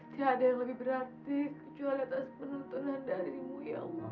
tiada yang lebih berarti kejualan atas penontonan darimu ya allah